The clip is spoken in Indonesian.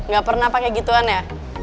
gak pernah pakai gituan ya